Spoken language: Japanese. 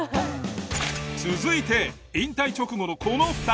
続いて引退直後のこの２人。